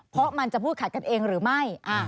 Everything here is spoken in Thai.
เพราะมันจะพูดขัดกันเองหรือไม่